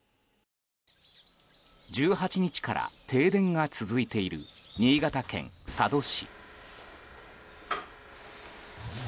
１８日から停電が続いている新潟県佐渡市。